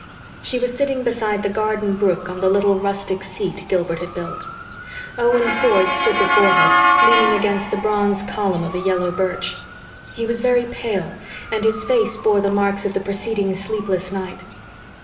She was sitting beside the garden brook on the little rustic seat Gilbert had built. Owen Ford stood before her, leaning against the bronze column of a yellow birch. He was very pale and his face bore the marks of the preceding sleepless night.